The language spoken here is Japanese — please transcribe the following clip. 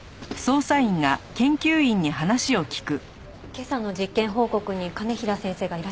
今朝の実験報告に兼平先生がいらっしゃらなくて。